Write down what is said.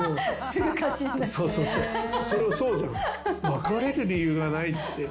別れる理由がないって。